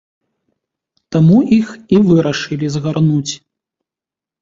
Таму іх і вырашылі згарнуць.